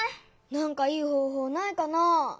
なんかいいほうほうないかな？